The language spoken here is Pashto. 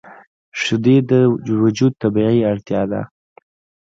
شیدې د وجود طبیعي اړتیا ده